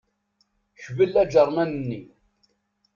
Kbel ajernan-nni.